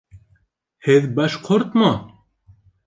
Һеҙ башҡортмо?